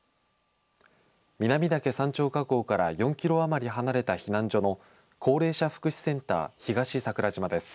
南岳山頂火口から４キロ余り離れた避難所の高齢者福祉センター東桜島です。